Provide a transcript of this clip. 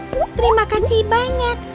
terima kasih banyak